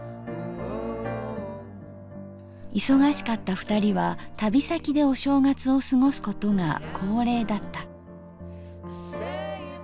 忙しかった二人は旅先でお正月を過ごすことが恒例だった。